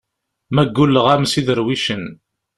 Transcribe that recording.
Ma gguleɣ-am s iderwicen.